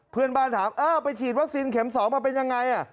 เพื่อนบ้านถามไปฉีดวัคซีนเข็ม๒มาเป็นยังไง